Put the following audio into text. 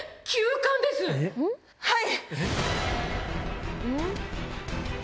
はい！